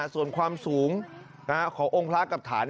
ส่วนความสูงขององค์พระกับฐาน